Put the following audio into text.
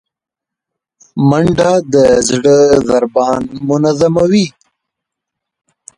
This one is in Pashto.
منډه د زړه ضربان منظموي